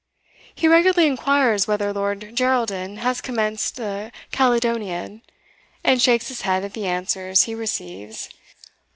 He regularly inquires whether Lord Geraldin has commenced the Caledoniad, and shakes his head at the answers he receives.